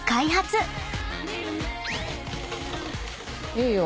いいよ。